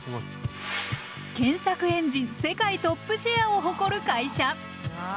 検索エンジン世界トップシェアを誇る会社。